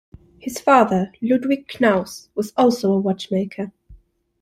His father, Ludwig Knaus, was also a watchmaker.